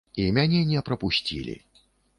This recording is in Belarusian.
І мяне не прапусцілі.